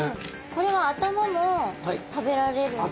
これは頭も食べられるんですか？